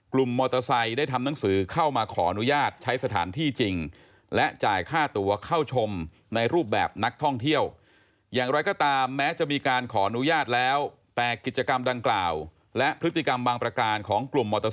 กลุ่มมอเตอร์ไซค์ได้ทำหนังสือเข้ามาขออนุญาตใช้สถานที่จริง